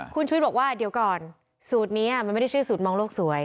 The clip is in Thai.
คุณชุวิตบอกว่าเดี๋ยวก่อนสูตรนี้มันไม่ได้ชื่อสูตรมองโลกสวย